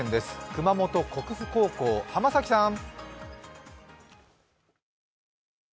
熊本国府高校、濱崎さん。